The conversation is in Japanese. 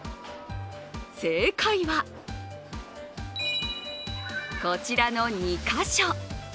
正解はこちらの２か所。